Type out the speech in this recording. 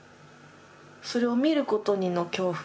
それを見ることの恐怖。